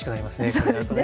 これだとね。